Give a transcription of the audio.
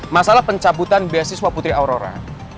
masalah pencabutan beasiswa putri aurora